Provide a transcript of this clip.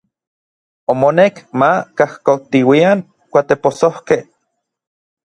Omonek ma kajkoktiuian kuatepossojkej.